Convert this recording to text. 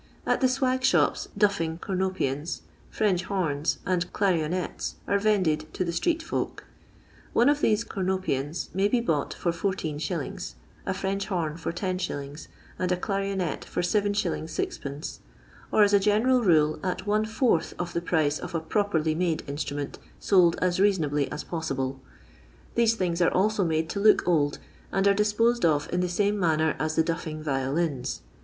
At the swag shops duffing cornopean*, French horn*, and da rionet* are vended to the street^folk. One of these cornopeans may be bought fur 14s. ; a French horn for 10«. ; and a clarionet fur 7s. Qd, ; or as a general rule at one fourth of the price of a pro perly made instrument sold as reasonably as possible. These things are also made to look old, and are disposed of in the same manner as the duffing violins.